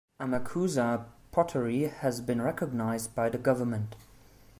Amakusa pottery has been recognised by the government.